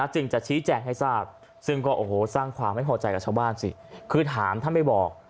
จึงจะชี้แจงให้ทราบซึ่งก็โอ้โหสร้างความไม่พอใจกับชาวบ้านสิคือถามท่านไม่บอก